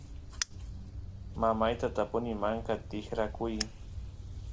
mamayta tapuni manka tikrakuy